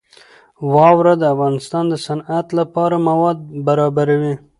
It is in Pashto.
واوره د افغانستان د صنعت لپاره مواد برابروي.